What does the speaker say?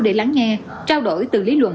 để lắng nghe trao đổi từ lý luận